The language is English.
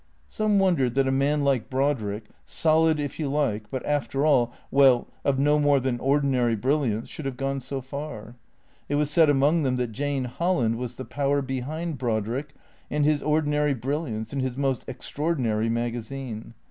Some wondered that a man like Brodrick, solid, if you like, but after all, well, of no more than ordinary brilliance, should have gone so far. It was said among them that Jane Holland was the power behind Brodrick and his ordinary brilliance and his most extraordinary magazine.